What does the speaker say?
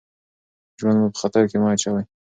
ژوند مو په خطر کې مه اچوئ.